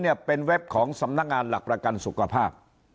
เนี่ยเป็นเว็บของสำนักงานหลักประกันสุขภาพ